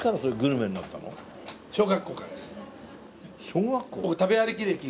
小学校？